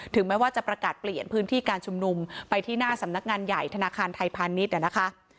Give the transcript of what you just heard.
แม้ว่าจะประกาศเปลี่ยนพื้นที่การชุมนุมไปที่หน้าสำนักงานใหญ่ธนาคารไทยพาณิชย์นะคะ